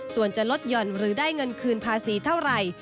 ส่วนจะลดหย่อนหรือได้เงินคืนภาษีเท่าไหร่